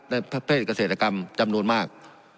ในประเภทเกษตรกรรมจำนวนมาก